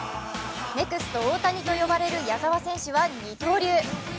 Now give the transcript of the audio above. ネクスト大谷と呼ばれる矢澤選手は二刀流。